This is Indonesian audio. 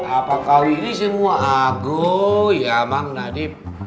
apakah ini semua agung ya emang nadif